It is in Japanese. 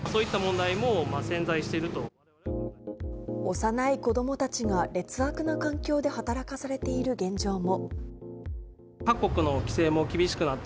幼い子どもたちが劣悪な環境で働かされている現状も。